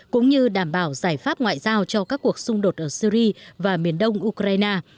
cũng như đảm bảo giải pháp ngoại giao cho các cuộc xung đột ở syri và miền đông ukraine